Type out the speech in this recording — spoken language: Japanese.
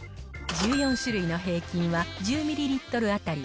１４種類の平均は１０ミリリットル当たり